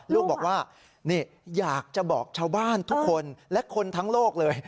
ลูกบอกว่านี่อยากจะบอกชาวบ้านทุกคนและคนทั้งโลกเลย